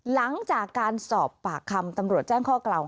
หลังจากการสอบปากคำตำรวจแจ้งข้อกล่าว